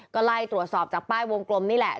ก็ไล่ตรวจสอบจากป้ายวงกลมนี่แหละ